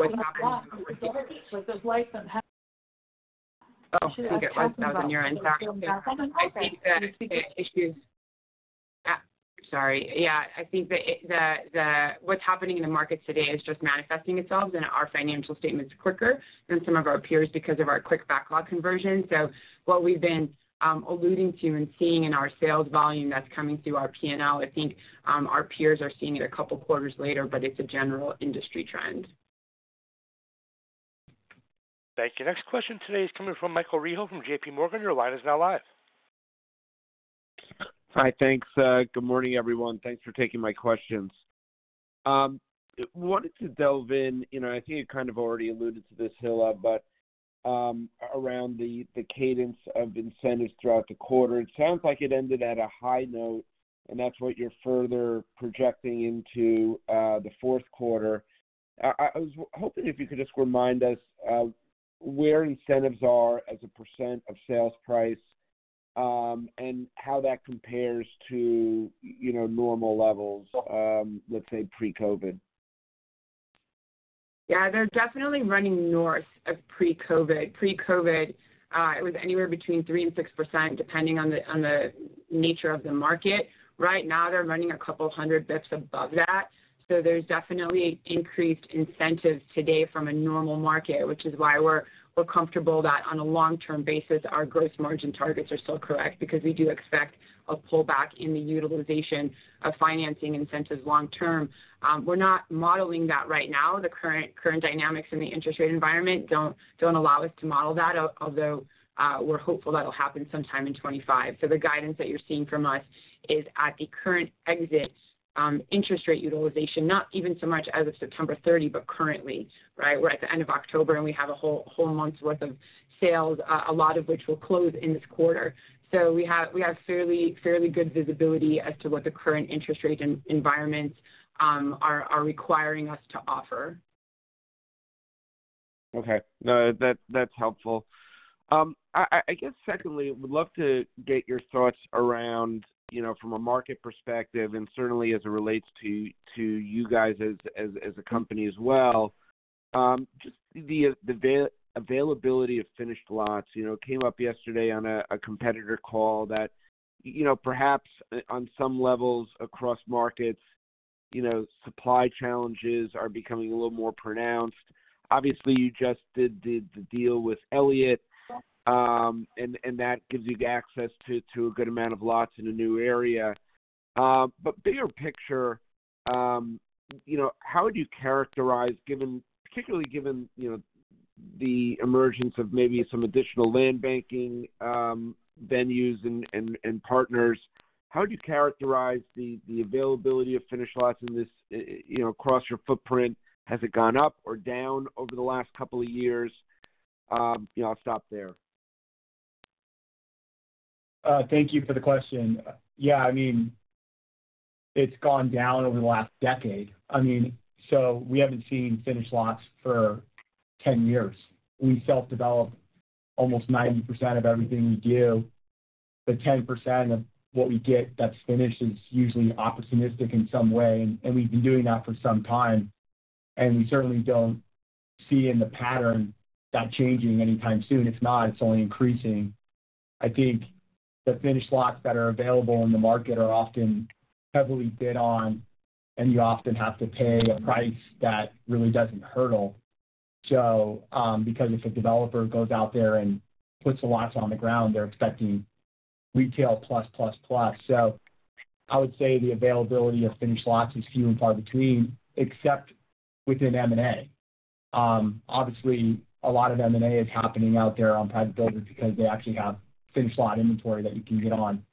what's happening in the markets today is just manifesting itself in our financial statements quicker than some of our peers because of our quick backlog conversion. So what we've been alluding to and seeing in our sales volume that's coming through our P&L, I think our peers are seeing it a couple quarters later, but it's a general industry trend. Thank you. Next question today is coming from Michael Rehaut from J.P. Morgan. Your line is now live. Hi, thanks. Good morning, everyone. Thanks for taking my questions. Wanted to delve in, you know, I think you kind of already alluded to this, Hilla, but around the cadence of incentives throughout the quarter. It sounds like it ended at a high note, and that's what you're further projecting into the fourth quarter. I was hoping if you could just remind us where incentives are as a % of sales price, and how that compares to, you know, normal levels, let's say pre-COVID. Yeah, they're definitely running north of pre-COVID. Pre-COVID, it was anywhere between 3% and 6%, depending on the nature of the market. Right now, they're running a couple hundred basis points above that. So there's definitely increased incentives today from a normal market, which is why we're comfortable that on a long-term basis, our gross margin targets are still correct because we do expect a pullback in the utilization of financing incentives long-term. We're not modeling that right now. The current dynamics in the interest rate environment don't allow us to model that, although, we're hopeful that'll happen sometime in 2025. So the guidance that you're seeing from us is at the current exit, interest rate utilization, not even so much as of September 30, but currently, right? We're at the end of October and we have a whole month's worth of sales, a lot of which will close in this quarter. So we have fairly good visibility as to what the current interest rate environments are requiring us to offer. Okay. No, that's helpful. I guess secondly, we'd love to get your thoughts around, you know, from a market perspective and certainly as it relates to you guys as a company as well. Just the availability of finished lots, you know, it came up yesterday on a competitor call that, you know, perhaps on some levels across markets, you know, supply challenges are becoming a little more pronounced. Obviously, you just did the deal with Elliott, and that gives you access to a good amount of lots in a new area, but bigger picture, you know, how would you characterize, given particularly, you know, the emergence of maybe some additional land banking venues and partners, how would you characterize the availability of finished lots in this, you know, across your footprint? Has it gone up or down over the last couple of years? You know, I'll stop there. Thank you for the question. Yeah, I mean, it's gone down over the last decade. I mean, so we haven't seen finished lots for 10 years. We self-develop almost 90% of everything we do. The 10% of what we get that's finished is usually opportunistic in some way, and we've been doing that for some time. And we certainly don't see the pattern changing anytime soon. If not, it's only increasing. I think the finished lots that are available in the market are often heavily bid on, and you often have to pay a price that really doesn't hurdle. So, because if a developer goes out there and puts the lots on the ground, they're expecting retail plus, plus, plus. So I would say the availability of finished lots is few and far between, except within M&A. Obviously, a lot of M&A is happening out there on private builders because they actually have finished lot inventory that you can get on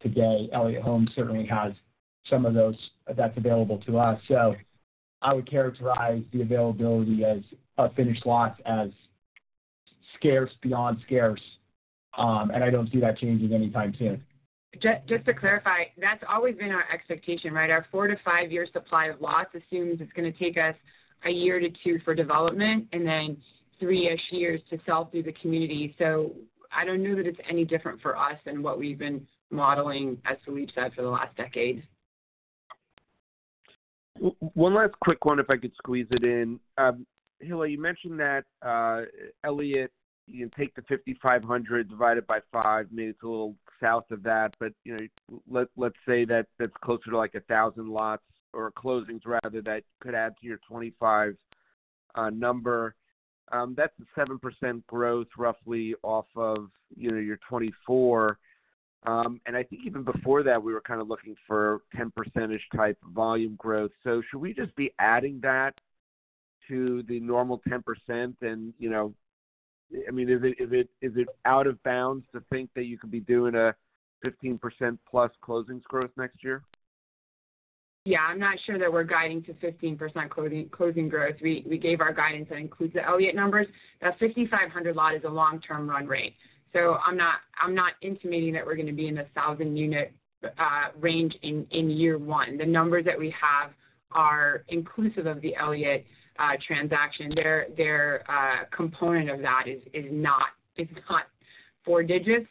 today. Elliott Homes certainly has some of those that's available to us. So I would characterize the availability of finished lots as scarce beyond scarce. And I don't see that changing anytime soon. Just, just to clarify, that's always been our expectation, right? Our four- to five-year supply of lots assumes it's going to take us a year to two for development and then three-ish years to sell through the community. So I don't know that it's any different for us than what we've been modeling, as Phillippe said, for the last decade. One last quick one, if I could squeeze it in. Hilla, you mentioned that, Elliott, you know, take the 5,500 divided by five, maybe it's a little south of that, but, you know, let's say that that's closer to like a thousand lots or closings rather that could add to your 25 number. That's a 7% growth roughly off of, you know, your 24. I think even before that, we were kind of looking for 10%-ish type volume growth. So should we just be adding that to the normal 10%? And, you know, I mean, is it out of bounds to think that you could be doing a 15% plus closings growth next year? Yeah, I'm not sure that we're guiding to 15% closing growth. We gave our guidance that includes the Elliott numbers. That 5,500 lot is a long-term run rate. So I'm not intimating that we're going to be in the thousand-unit range in year one. The numbers that we have are inclusive of the Elliott transaction. Their component of that is not four digits.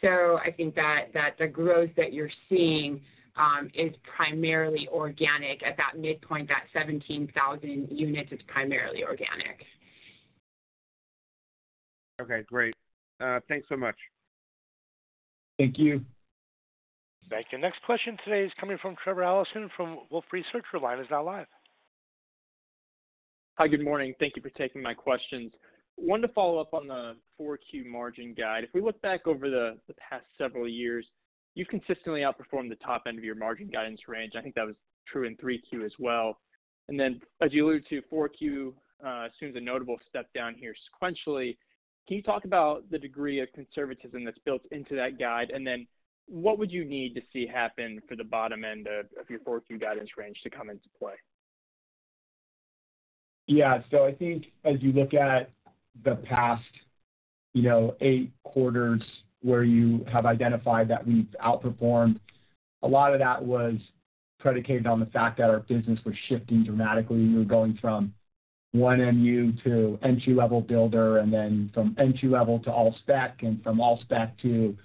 So I think that the growth that you're seeing is primarily organic at that midpoint, that 17,000 units; it's primarily organic. Okay. Great. Thanks so much. Thank you. Thank you. Next question today is coming from Trevor Allinson from Wolfe Research. His line is now live. Hi, good morning. Thank you for taking my questions. Wanted to follow up on the 4Q margin guide. If we look back over the past several years, you've consistently outperformed the top end of your margin guidance range. I think that was true in 3Q as well. And then, as you alluded to, 4Q assumes a notable step down here sequentially. Can you talk about the degree of conservatism that's built into that guide? And then what would you need to see happen for the bottom end of your 4Q guidance range to come into play? Yeah. So I think as you look at the past, you know, eight quarters where you have identified that we've outperformed, a lot of that was predicated on the fact that our business was shifting dramatically. We were going from 1MU to entry-level builder, and then from entry-level to all spec, and from all spec to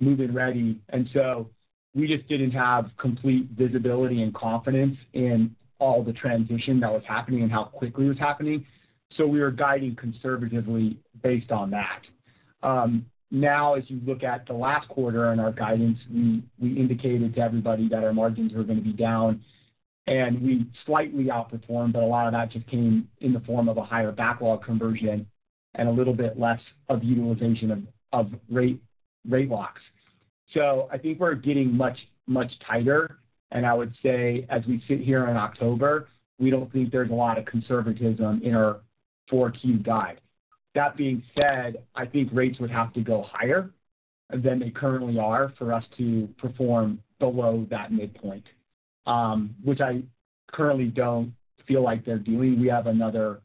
move-in ready. And so we just didn't have complete visibility and confidence in all the transition that was happening and how quickly it was happening. So we were guiding conservatively based on that. Now, as you look at the last quarter in our guidance, we indicated to everybody that our margins were going to be down, and we slightly outperformed, but a lot of that just came in the form of a higher backlog conversion and a little bit less of utilization of rate locks. So I think we're getting much tighter. And I would say, as we sit here in October, we don't think there's a lot of conservatism in our 4Q guide. That being said, I think rates would have to go higher than they currently are for us to perform below that midpoint, which I currently don't feel like they're doing. We have another,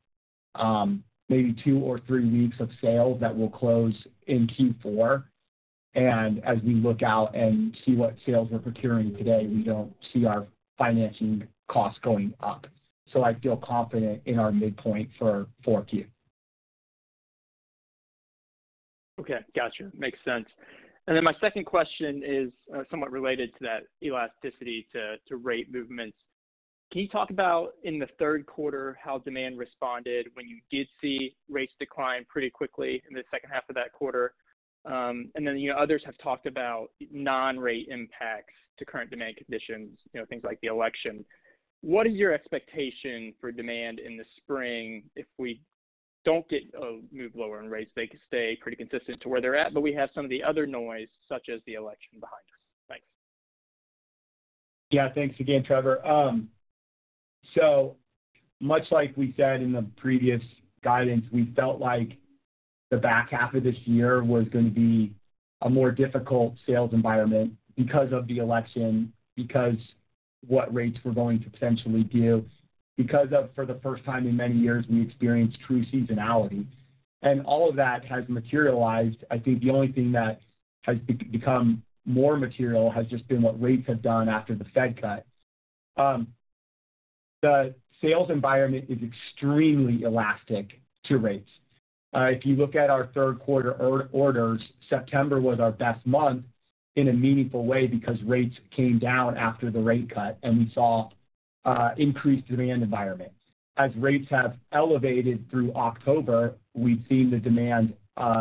maybe two or three weeks of sales that will close in Q4. And as we look out and see what sales we're procuring today, we don't see our financing costs going up. So I feel confident in our midpoint for Q4. Okay. Gotcha. Makes sense. And then my second question is, somewhat related to that elasticity to rate movements. Can you talk about in the third quarter how demand responded when you did see rates decline pretty quickly in the second half of that quarter? And then, you know, others have talked about non-rate impacts to current demand conditions, you know, things like the election. What is your expectation for demand in the spring if we don't get a move lower in rates? They could stay pretty consistent to where they're at, but we have some of the other noise, such as the election, behind us? Thanks. Yeah. Thanks again, Trevor. So much like we said in the previous guidance, we felt like the back half of this year was going to be a more difficult sales environment because of the election, because of what rates were going to potentially do, because of, for the first time in many years, we experienced true seasonality, and all of that has materialized. I think the only thing that has become more material has just been what rates have done after the Fed cut. The sales environment is extremely elastic to rates. If you look at our third quarter orders, September was our best month in a meaningful way because rates came down after the rate cut, and we saw increased demand environment. As rates have elevated through October, we've seen the demand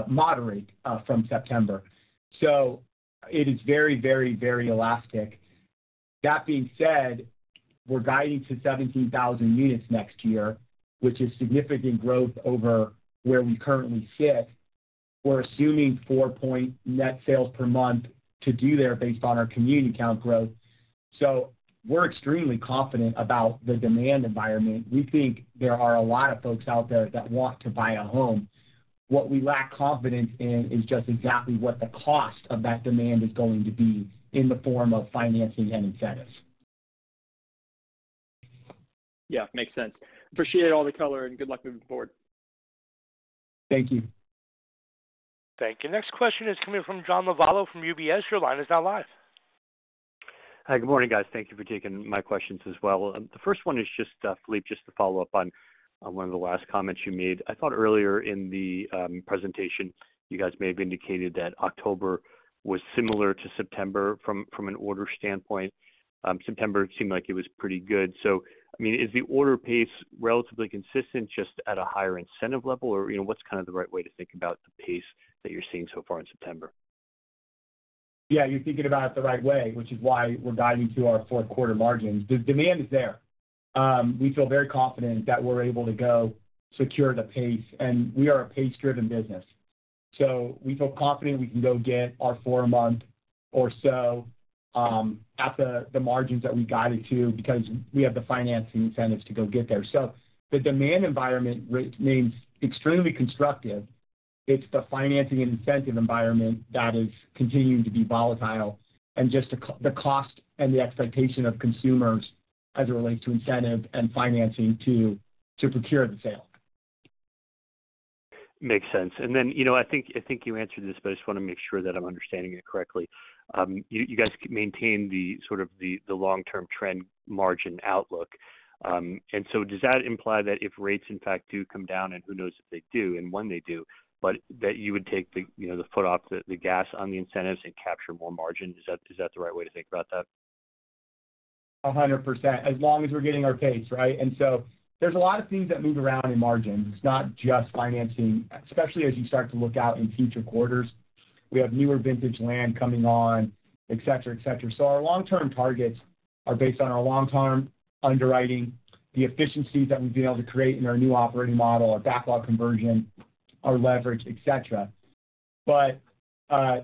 moderate from September, so it is very, very, very elastic. That being said, we're guiding to 17,000 units next year, which is significant growth over where we currently sit. We're assuming four net sales per month to do there based on our community count growth. So we're extremely confident about the demand environment. We think there are a lot of folks out there that want to buy a home. What we lack confidence in is just exactly what the cost of that demand is going to be in the form of financing and incentives. Yeah. Makes sense. Appreciate all the color and good luck moving forward. Thank you. Thank you. Next question is coming from John Lovallo from UBS. Your line is now live. Hi, good morning, guys. Thank you for taking my questions as well. The first one is just, Phillippe, just to follow up on one of the last comments you made. I thought earlier in the presentation, you guys may have indicated that October was similar to September from an order standpoint. September seemed like it was pretty good. So, I mean, is the order pace relatively consistent just at a higher incentive level, or, you know, what's kind of the right way to think about the pace that you're seeing so far in September? Yeah, you're thinking about it the right way, which is why we're guiding to our fourth quarter margins. The demand is there. We feel very confident that we're able to go secure the pace, and we are a pace-driven business. So we feel confident we can go get our four per month or so at the margins that we guided to because we have the financing incentives to go get there. So the demand environment remains extremely constructive. It's the financing and incentive environment that is continuing to be volatile and just the cost and the expectation of consumers as it relates to incentive and financing to procure the sale. Makes sense. And then, you know, I think you answered this, but I just want to make sure that I'm understanding it correctly. You guys maintain the sort of the long-term trend margin outlook. And so does that imply that if rates, in fact, do come down, and who knows if they do, and when they do, but that you would take the, you know, the foot off the gas on the incentives and capture more margin? Is that the right way to think about that? 100%. As long as we're getting our pace, right? And so there's a lot of things that move around in margins. It's not just financing, especially as you start to look out in future quarters. We have newer vintage land coming on, etc., etc. So our long-term targets are based on our long-term underwriting, the efficiencies that we've been able to create in our new operating model, our backlog conversion, our leverage, etc. But,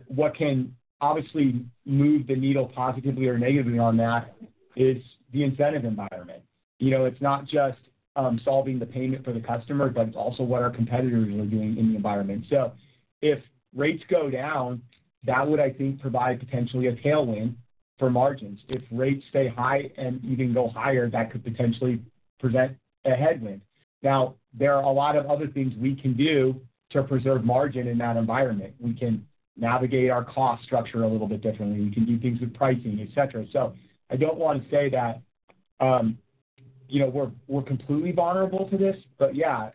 what can obviously move the needle positively or negatively on that is the incentive environment. You know, it's not just, solving the payment for the customer, but it's also what our competitors are doing in the environment. So if rates go down, that would, I think, provide potentially a tailwind for margins. If rates stay high and even go higher, that could potentially present a headwind. Now, there are a lot of other things we can do to preserve margin in that environment. We can navigate our cost structure a little bit differently. We can do things with pricing, etc. So I don't want to say that, you know, we're completely vulnerable to this, but yeah,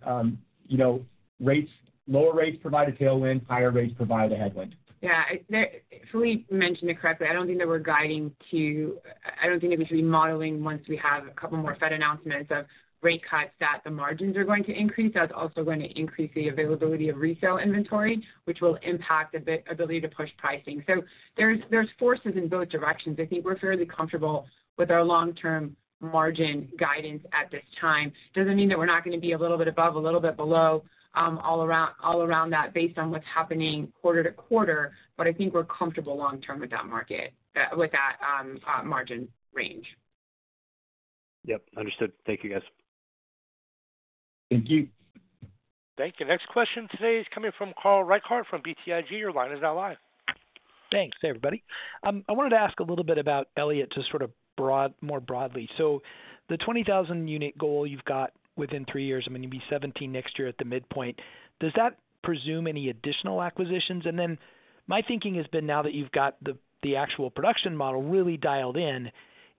you know, rates, lower rates provide a tailwind, higher rates provide a headwind. Yeah. Phillippe mentioned it correctly. I don't think that we're guiding to, I don't think that we should be modeling once we have a couple more Fed announcements of rate cuts that the margins are going to increase. That's also going to increase the availability of resale inventory, which will impact the ability to push pricing. So there's forces in both directions. I think we're fairly comfortable with our long-term margin guidance at this time. Doesn't mean that we're not going to be a little bit above, a little bit below, all around, all around that based on what's happening quarter to quarter, but I think we're comfortable long-term with that market, that with that, margin range. Yep. Understood. Thank you, guys. Thank you. Thank you. Next question today is coming from Carl Reichardt from BTIG. Your line is now live. Thanks, everybody. I wanted to ask a little bit about Elliott to sort of broad, more broadly. So the 20,000 unit goal you've got within three years, I mean, you'll be 17 next year at the midpoint. Does that presume any additional acquisitions? My thinking has been now that you've got the actual production model really dialed in,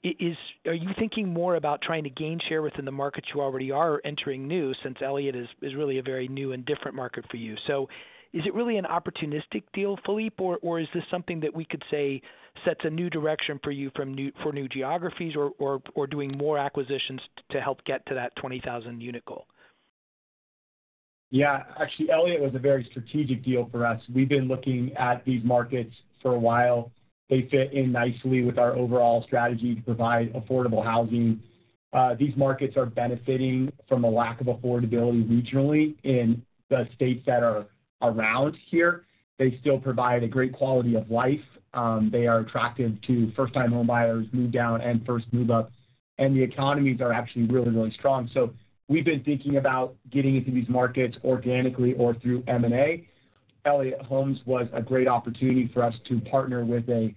are you thinking more about trying to gain share within the markets you already are or entering new since Elliott is really a very new and different market for you? Is it really an opportunistic deal, Phillippe, or is this something that we could say sets a new direction for you for new geographies or doing more acquisitions to help get to that 20,000 unit goal? Yeah. Actually, Elliott was a very strategic deal for us. We've been looking at these markets for a while. They fit in nicely with our overall strategy to provide affordable housing. These markets are benefiting from a lack of affordability regionally in the states that are around here. They still provide a great quality of life. They are attractive to first-time home buyers, move down and first move up, and the economies are actually really, really strong. So we've been thinking about getting into these markets organically or through M&A. Elliott Homes was a great opportunity for us to partner with a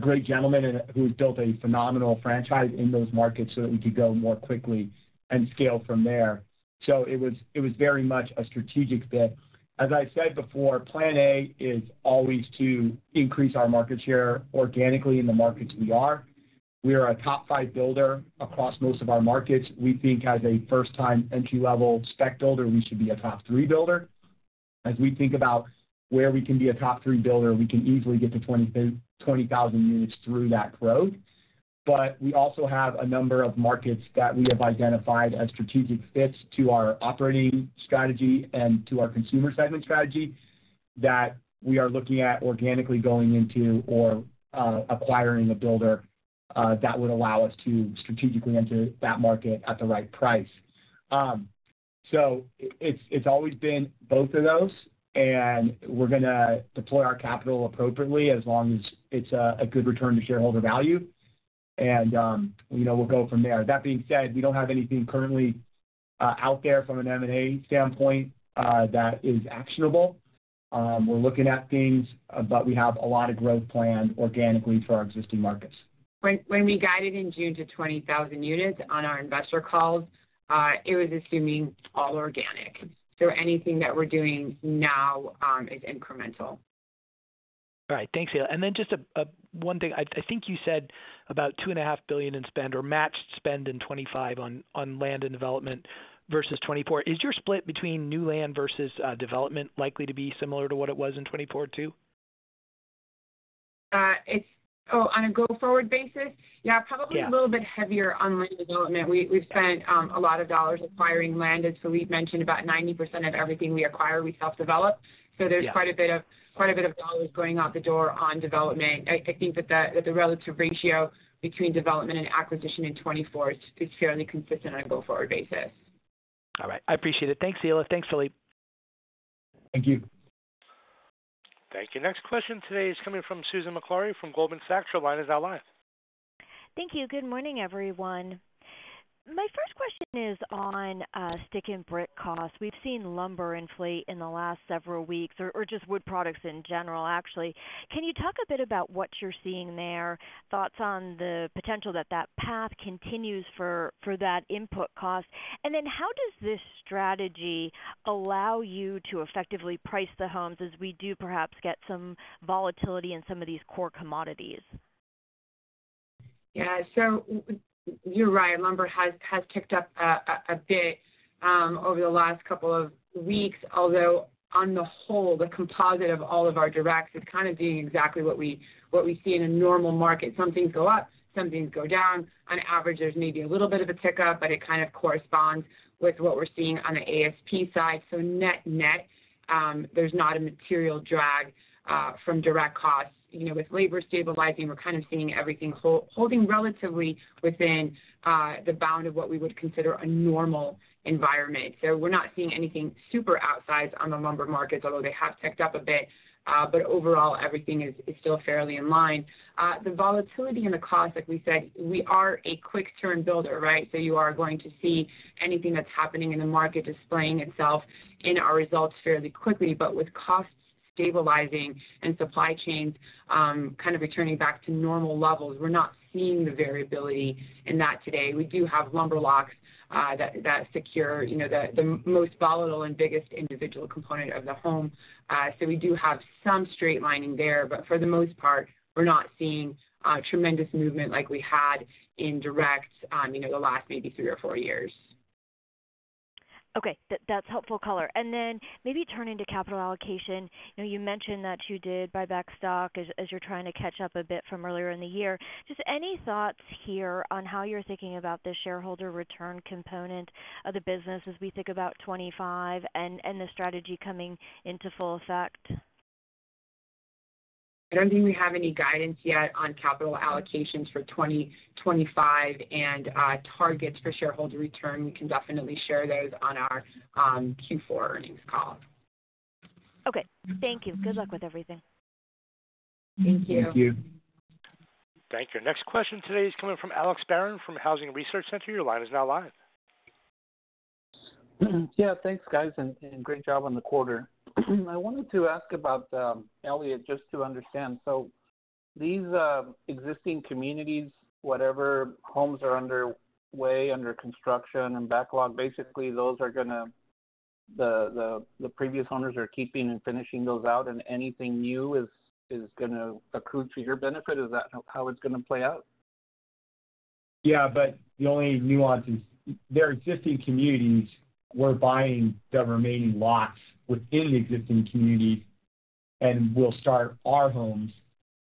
great gentleman who has built a phenomenal franchise in those markets so that we could go more quickly and scale from there. So it was very much a strategic fit. As I said before, Plan A is always to increase our market share organically in the markets we are. We are a top five builder across most of our markets. We think as a first-time entry-level spec builder, we should be a top three builder. As we think about where we can be a top three builder, we can easily get to 20,000 units through that growth. But we also have a number of markets that we have identified as strategic fits to our operating strategy and to our consumer segment strategy that we are looking at organically going into or acquiring a builder that would allow us to strategically enter that market at the right price. So it's, it's always been both of those, and we're going to deploy our capital appropriately as long as it's a good return to shareholder value. And, you know, we'll go from there. That being said, we don't have anything currently out there from an M&A standpoint that is actionable. We're looking at things, but we have a lot of growth planned organically for our existing markets. When we guided in June to 20,000 units on our investor calls, it was assuming all organic. So anything that we're doing now is incremental. All right. Thanks, Hilla. And then just one thing. I think you said about $2.5 billion in spend or matched spend in 2025 on land and development versus 2024. Is your split between new land versus development likely to be similar to what it was in 2024 too? On a go-forward basis, yeah, probably a little bit heavier on land development. We've spent a lot of dollars acquiring land, as Phillippe mentioned, about 90% of everything we acquire, we self-develop. So there's quite a bit of dollars going out the door on development. I think that the relative ratio between development and acquisition in 2024 is fairly consistent on a go-forward basis. All right. I appreciate it. Thanks, Hilla. Thanks, Phillippe. Thank you. Thank you. Next question today is coming from Susan Maklari from Goldman Sachs. Her line is now live. Thank you. Good morning, everyone. My first question is on sticks and bricks costs. We've seen lumber inflate in the last several weeks or just wood products in general, actually. Can you talk a bit about what you're seeing there, thoughts on the potential that that path continues for that input cost? And then how does this strategy allow you to effectively price the homes as we do perhaps get some volatility in some of these core commodities? Yeah. So you're right. Lumber has ticked up a bit over the last couple of weeks, although on the whole, the composite of all of our directs is kind of doing exactly what we see in a normal market. Some things go up, some things go down. On average, there's maybe a little bit of a tick up, but it kind of corresponds with what we're seeing on the ASP side. So net-net, there's not a material drag from direct costs. You know, with labor stabilizing, we're kind of seeing everything hold, holding relatively within the bounds of what we would consider a normal environment. So we're not seeing anything super outsized on the lumber markets, although they have ticked up a bit. But overall, everything is still fairly in line. The volatility in the cost, like we said, we are a quick-turn builder, right? So you are going to see anything that's happening in the market displaying itself in our results fairly quickly. But with costs stabilizing and supply chains kind of returning back to normal levels, we're not seeing the variability in that today. We do have lumber locks that secure, you know, the most volatile and biggest individual component of the home. So we do have some straight lining there, but for the most part, we're not seeing tremendous movement like we had in direct costs, you know, the last maybe three or four years. Okay. That's helpful color. And then maybe turning to capital allocation. You know, you mentioned that you did buy back stock as you're trying to catch up a bit from earlier in the year. Just any thoughts here on how you're thinking about the shareholder return component of the business as we think about 2025 and the strategy coming into full effect? I don't think we have any guidance yet on capital allocations for 2025 and targets for shareholder return. We can definitely share those on our Q4 earnings call. Okay. Thank you. Good luck with everything. Thank you. Thank you. Thank you. Next question today is coming from Alex Barron from Housing Research Center. Your line is now live. Yeah. Thanks, guys. And great job on the quarter. I wanted to ask about Elliott just to understand. So these existing communities, whatever homes are underway, under construction and backlog, basically those are going to the previous owners are keeping and finishing those out, and anything new is going to accrue to your benefit. Is that how it's going to play out? Yeah. But the only nuance is their existing communities, we're buying the remaining lots within the existing communities and we'll start our homes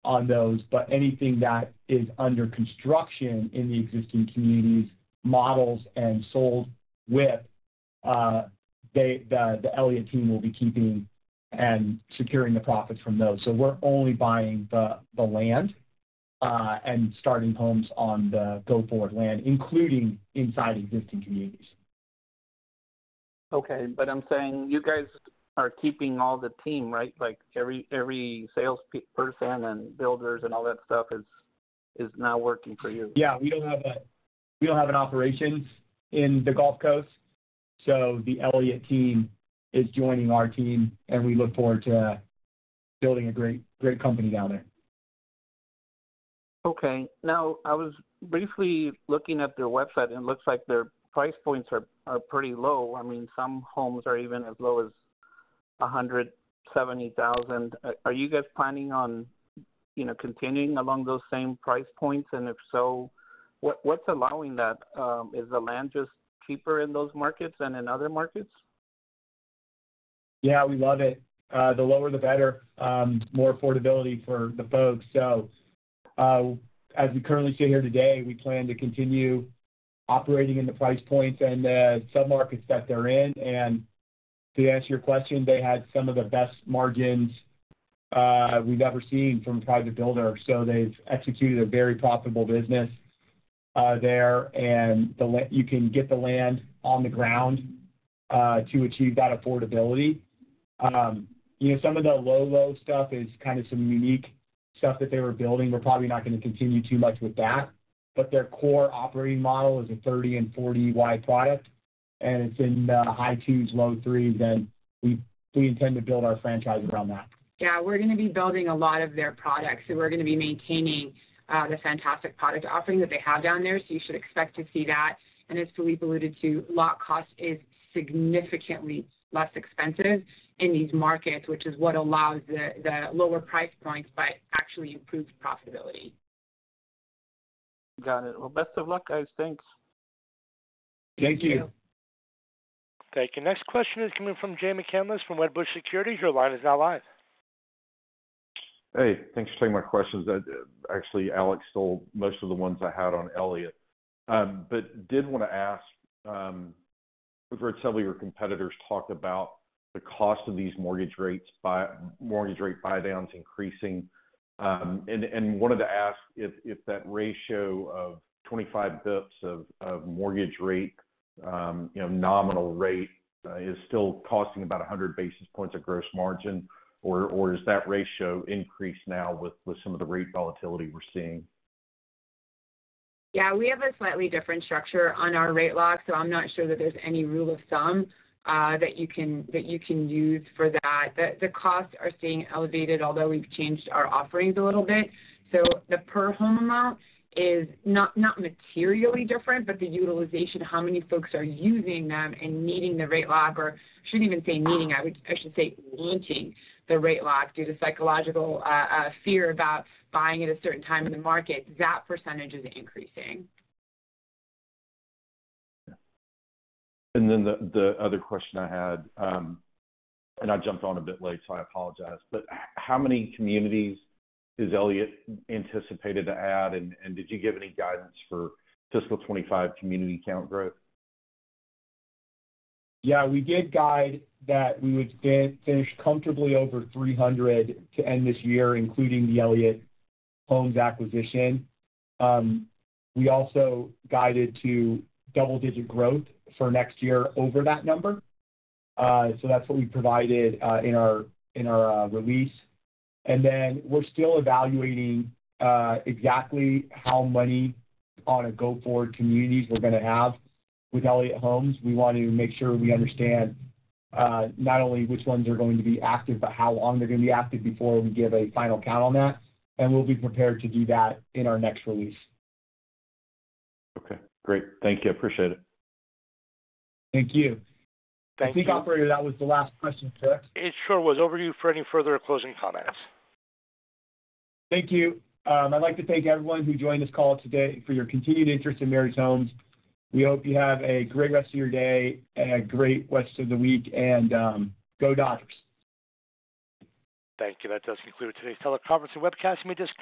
on those. But anything that is under construction in the existing communities, models, and sold with the Elliott team will be keeping and securing the profits from those. So we're only buying the land and starting homes on the go-forward land, including inside existing communities. Okay. But I'm saying you guys are keeping all the team, right? Like every salesperson and builders and all that stuff is now working for you. Yeah. We don't have an operations in the Gulf Coast. So the Elliott team is joining our team, and we look forward to building a great company down there. Okay. Now, I was briefly looking at their website, and it looks like their price points are pretty low. I mean, some homes are even as low as $170,000. Are you guys planning on, you know, continuing along those same price points? And if so, what's allowing that? Is the land just cheaper in those markets and in other markets? Yeah. We love it. The lower, the better, more affordability for the folks. So, as we currently sit here today, we plan to continue operating in the price points and the sub-markets that they're in. And to answer your question, they had some of the best margins we've ever seen from a private builder. So they've executed a very profitable business, there. And the land you can get on the ground, to achieve that affordability. You know, some of the low, low stuff is kind of some unique stuff that they were building. We're probably not going to continue too much with that. But their core operating model is a 30 and 40 wide product, and it's in the high twos, low threes. And we intend to build our franchise around that. Yeah. We're going to be building a lot of their products. So we're going to be maintaining the fantastic product offering that they have down there. So you should expect to see that. And as Phillippe alluded to, lot cost is significantly less expensive in these markets, which is what allows the lower price points but actually improved profitability. Got it. Well, best of luck, guys. Thanks. Thank you. Thank you. Thank you. Next question is coming from Jay McCanless from Wedbush Securities. Your line is now live. Hey. Thanks for taking my questions. Actually, Alex stole most of the ones I had on Elliott. But did want to ask, we've heard several of your competitors talk about the cost of these mortgage rates, by mortgage rate buy-downs increasing. And wanted to ask if that ratio of 25 basis points of mortgage rate, you know, nominal rate, is still costing about 100 basis points of gross margin, or is that ratio increased now with some of the rate volatility we're seeing? Yeah. We have a slightly different structure on our rate lock, so I'm not sure that there's any rule of thumb that you can use for that. The costs are staying elevated, although we've changed our offerings a little bit. So the per home amount is not materially different, but the utilization, how many folks are using them and needing the rate lock, or shouldn't even say needing, I would, I should say wanting the rate lock due to psychological fear about buying at a certain time in the market, that percentage is increasing. And then the other question I had, and I jumped on a bit late, so I apologize, but how many communities is Elliott anticipated to add? And did you give any guidance for fiscal 2025 community count growth? Yeah. We did guide that we would finish comfortably over 300 to end this year, including the Elliott Homes acquisition. We also guided to double-digit growth for next year over that number. So that's what we provided in our release. And then we're still evaluating exactly how many on a go-forward communities we're going to have with Elliott Homes. We want to make sure we understand not only which ones are going to be active, but how long they're going to be active before we give a final count on that. And we'll be prepared to do that in our next release. Okay. Great. Thank you. Appreciate it. Thank you. Thank you. I think, operator, that was the last question, correct? It sure was. Over to you for any further closing comments. Thank you. I'd like to thank everyone who joined this call today for your continued interest in Meritage Homes. We hope you have a great rest of your day and a great rest of the week. And, go Dodgers. Thank you. That does conclude today's teleconference and webcast. You may.